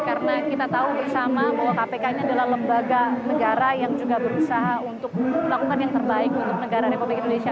karena kita tahu bersama bahwa kpk ini adalah lembaga negara yang juga berusaha untuk melakukan yang terbaik untuk negara republik indonesia